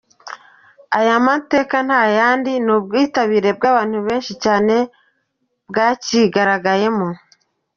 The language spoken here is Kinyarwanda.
Aya mateka nta yandi ni ubwitabirwe bw’abantu benshi cyane bwakigaragayemo.